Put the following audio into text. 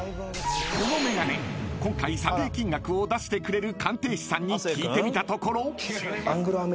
［この眼鏡今回査定金額を出してくれる鑑定士さんに聞いてみたところ］